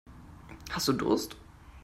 Hast du Durst?